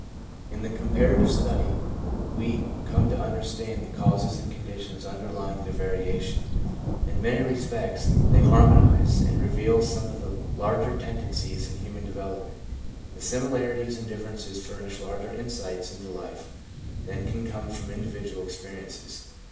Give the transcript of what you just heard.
In the comparative study, we come to understand the causes and conditions underlying their variation. In many respects they harmonise and reveal some of the larger tendencies in human development. The simi larities and differences furnish larger insights into life than can come from individual experiences.